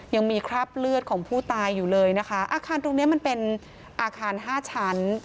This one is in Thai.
ยังมีคราบเลือดของผู้ตายอยู่เลยนะคะอาคารตรงเนี้ยมันเป็นอาคารห้าชั้น